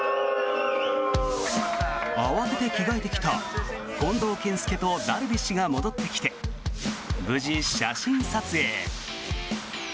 慌てて着替えてきた近藤健介とダルビッシュが戻ってきて無事、写真撮影。